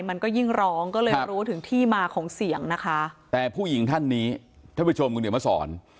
มันก็ยิ่งร้องก็เลยรู้ถึงที่มาของเสียงนะคะแต่ผู้หญิงท่านนี้ท่านผู้ชมคุณเดี๋ยวมาสอน